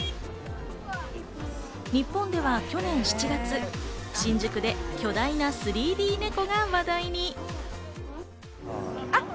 日本では去年７月、新宿で巨大な３Ｄネコが話題に。